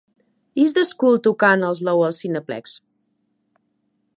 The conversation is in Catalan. Is The Skull tocant al Loews Cineplex